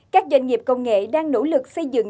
các doanh nghiệp công nghệ đang nỗ lực xây dựng